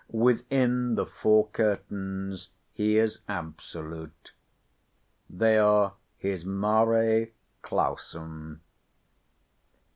Within the four curtains he is absolute. They are his Mare Clausum.